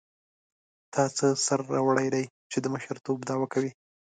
تا څه سر راوړی دی چې د مشرتوب دعوه کوې.